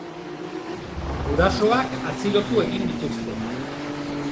Gurasoak atxilotu egin dituzte.